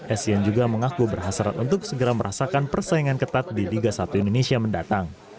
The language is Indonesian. essien juga mengaku berhasrat untuk segera merasakan persaingan ketat di liga satu indonesia mendatang